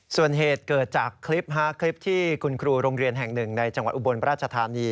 ส่วนเหตุเกิดจากคลิปคลิปที่คุณครูโรงเรียนแห่งหนึ่งในจังหวัดอุบลราชธานี